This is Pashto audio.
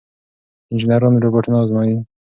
انجنیران روباټونه ازمويي.